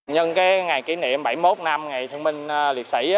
nhân cái ngày kỷ niệm bảy mươi một năm ngày thương minh liệt sĩ